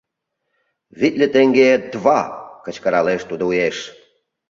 — Витле теҥге... два! — кычкыралеш тудо уэш.